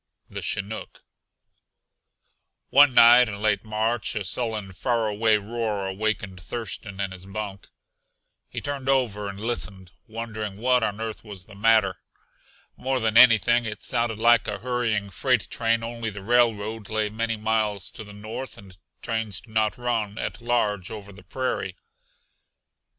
THE CHINOOK One night in late March a sullen, faraway roar awakened Thurston in his bunk. He turned over and listened, wondering what on earth was the matter. More than anything it sounded like a hurrying freight train only the railroad lay many miles to the north, and trains do not run at large over the prairie.